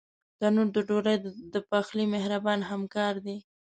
تنور د ډوډۍ د پخلي مهربان همکار دی